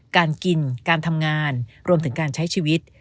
การกินการทำงานรวมถึงการใช้ชีวิต